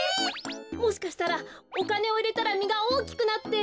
もしかしたらおかねをいれたらみがおおきくなって。